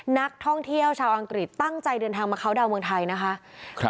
นักท่องเที่ยวชาวอังกฤษตั้งใจเดินทางมาเข้าดาวนเมืองไทยนะคะ